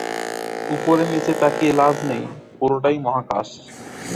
উপরে-নিচে তাকিয়ে লাভ নেই, পুরোটাই মহাকাশ।